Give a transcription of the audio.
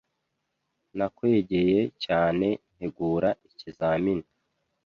Nakwegeye cyane-ntegura ikizamini.